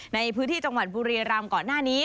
ในพื้นที่จังหวัดบุรีรำก่อนหน้านี้